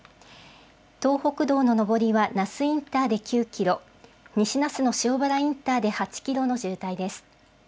東北道の上りは那須インターで９キロ、西那須野塩原インターで８キロの渋滞です。